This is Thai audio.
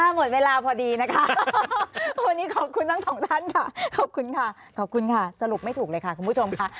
หมดเวลาพอดีนะคะวันนี้ขอบคุณทั้งสองท่านค่ะขอบคุณค่ะขอบคุณค่ะสรุปไม่ถูกเลยค่ะคุณผู้ชมค่ะ